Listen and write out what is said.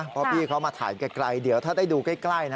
เพราะพี่เขามาถ่ายไกลเดี๋ยวถ้าได้ดูใกล้นะ